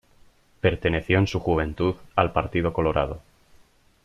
Perteneció en su juventud al Partido Colorado.